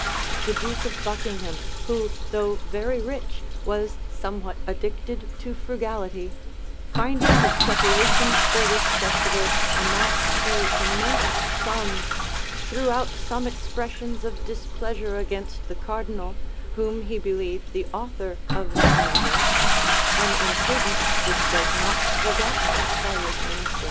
The duke of Buckingham, who, though very rich, was somewhat addicted to frugality, finding his preparations for this festival amount to immense sums, threw out some expressions of displeasure against the cardinal, whom he believed the author of that measure;[*] an imprudence which was not forgotten by this minister.